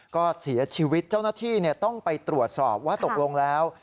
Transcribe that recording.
ก็เสียชีวิตเจ้าหน้าที่ต้องไปตรวจสอบว่าตกลงแล้ว